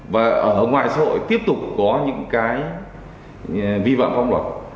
và ở ngoài xã hội tiếp tục có những cái vi vạng không đọc